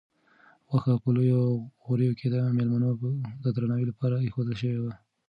غوښه په لویو غوریو کې د مېلمنو د درناوي لپاره ایښودل شوې وه.